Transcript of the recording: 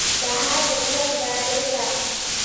سهار د ژوند ډالۍ ده.